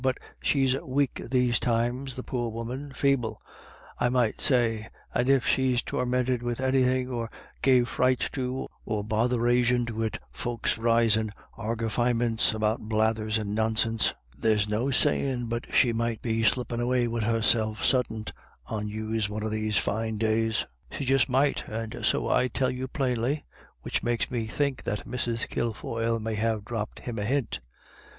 But she's wake these times, the poor woman, faible, I might say ; and if she's torminted wid any thin', or gave frights to, or botherationed wid folks risin' argyfy ments about blathers and nonsinse, there's no sayin' but she might be slippin' away wid herself suddint on yous, one of these fine days. She just might, and so I tell you plainly ;" which makes me think that Mrs. Kilfoyle may have dropped him a hint.